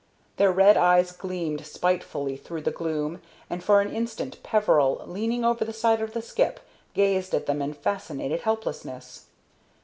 Their red eyes gleamed spitefully through the gloom, and for an instant Peveril, leaning over the side of the skip, gazed at them in fascinated helplessness.